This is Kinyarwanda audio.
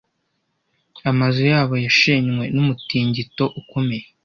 Amazu yabo yashenywe n'umutingito ukomeye.